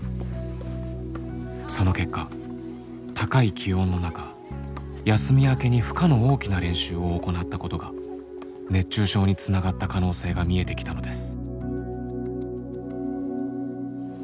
その結果高い気温の中休み明けに負荷の大きな練習を行ったことが熱中症につながった可能性が見えてきたのです。